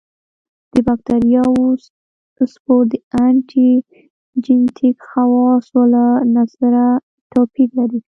د باکتریاوو سپور د انټي جېنیک خواصو له نظره توپیر لري.